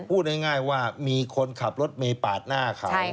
พูดง่ายว่ามีคนขับรถเมย์ปาดหน้าเขา